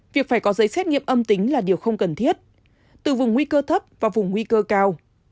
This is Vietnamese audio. việc phải có giấy xét nghiệm âm tính là điều không cần thiết từ vùng nguy cơ thấp và vùng nguy cơ cao